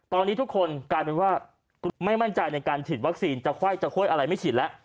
ตอนนี้ทุกคนกลายเป็นว่าไม่มั่นใจในการฉีดวัคซีนจะไข้จะห้วยอะไรไม่ฉีดแล้ว